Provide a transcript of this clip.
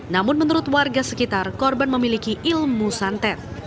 namun menurut warga sekitar korban memiliki ilmu santet